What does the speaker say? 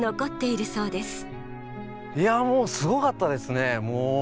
いやもうすごかったですね。